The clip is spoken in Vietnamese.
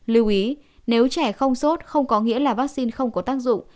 lưu ý nếu trẻ không sốt không có nghĩa là vaccine không có tác dụng